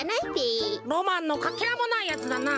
ロマンのかけらもないやつだな。